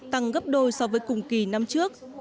tăng gấp đôi so với cùng kỳ năm trước